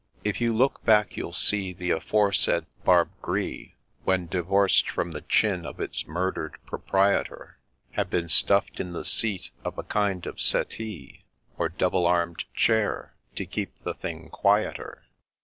If you look back you'll see the aforesaid barbe gris, When divorced from the chin of its murder'd proprietor. Had been stuff'd in the seat of a kind of settee, Or double arm'd chair, to keep the thing quieter.